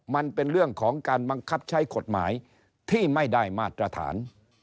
มันเป็นเรื่องของการบังคับใช้กฎหมายที่ไม่ได้มาตรฐาน